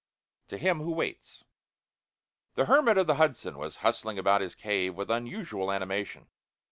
TO HIM WHO WAITS The Hermit of the Hudson was hustling about his cave with unusual animation.